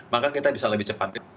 maka kita bisa lebih cepat